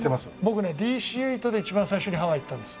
僕ねＤＣー８で一番最初にハワイ行ったんです。